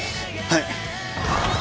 はい。